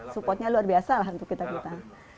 supportnya luar biasa lah untuk kita kita